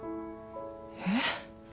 えっ？